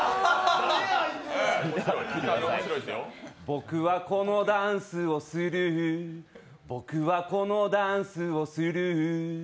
僕はこのダンスをする僕はこのダンスをする。